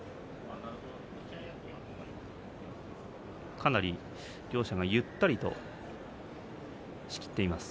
かなり両者ゆったりと仕切っています。